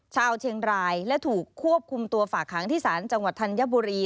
ชาวเชียงรายและถูกควบคุมตัวฝากหางที่ศาลจังหวัดธัญบุรี